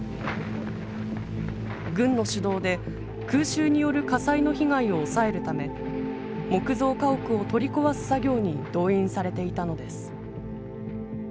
軍の主導で空襲による火災の被害を抑えるため木造家屋を取り壊す作業に動員されていたのです。